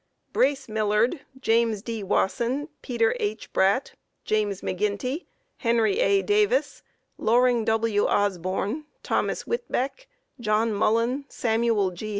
Brace Millerd, James D. Wasson, Peter H. Bradt, James McGinty, Henry A. Davis, Loring W. Osborn, Thomas Whitbeck, John Mullen, Samuel G.